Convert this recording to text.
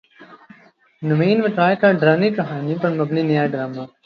نوین وقار کا ڈرانی کہانی پر مبنی نیا ڈراما